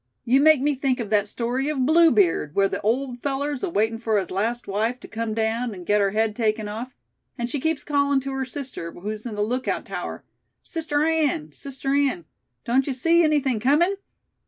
You make me think of that story of Blue Beard, where the old feller's a waitin' for his last wife to come down, and get her head taken off; and she keeps callin' to her sister, who's in the lookout tower: 'Sister Ann, Sister Ann, don't you see anything comin'?'"